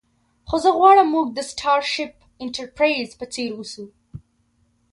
خو زه غواړم موږ د سټارشیپ انټرپریز په څیر اوسو